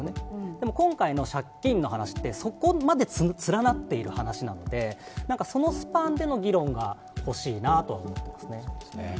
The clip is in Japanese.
でも今回の借金の話ってそこまで連なっている話なのでそのスパンでの議論が欲しいなと思っていますね。